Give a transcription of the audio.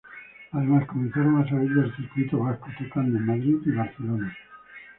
Además comenzaron a salir del circuito vasco, tocando en Madrid y Barcelona.